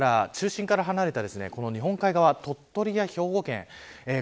それから台風から中心から離れた日本海側の鳥取や兵庫県